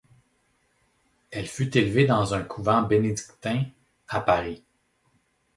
Elle fut élevée dans un couvent bénédictin à Paris.